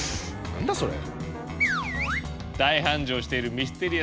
何だそれ？